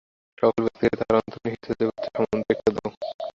সকল ব্যক্তিকেই তাহার অন্তর্নিহিত দেবত্ব সম্বন্ধে শিক্ষা দাও।